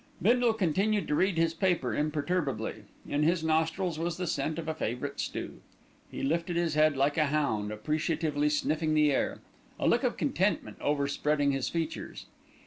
Bindle continued to read his paper imperturbably. In his nostrils was the scent of a favourite stew. He lifted his head like a hound, appreciatively sniffing the air, a look of contentment overspreading his features.